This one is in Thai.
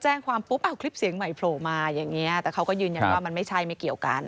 แจ้งความปุ๊บเอาคลิปเสียงใหม่โผล่มาอย่างนี้แต่เขาก็ยืนยันว่ามันไม่ใช่ไม่เกี่ยวกัน